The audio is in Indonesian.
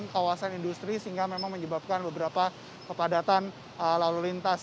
kawasan industri sehingga memang menyebabkan beberapa kepadatan lalu lintas